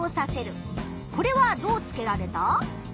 これはどうつけられた？